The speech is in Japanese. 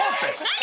何？